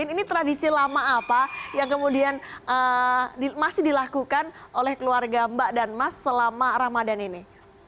ini tradisi lama apa yang kemudian masih dilakukan oleh keluarga mbak dan mas selama ramadan ini